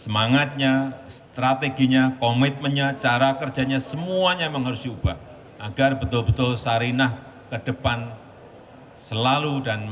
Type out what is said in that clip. harganya juga sangat mahal